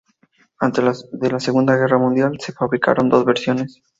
Antes de la Segunda Guerra Mundial se fabricaron dos versiones.